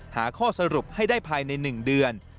หาข้อสรุปให้ได้ภายใน๑เดือน